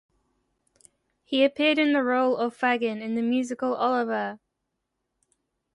He appeared in the role of Fagin in the musical Oliver!